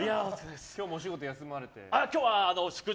今日もお仕事休まれて？